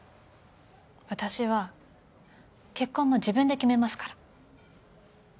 私は結婚も自分で決めますから。